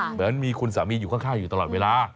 เหมือนมีคุณสามีอยู่ข้างอยู่ตลอดเวลา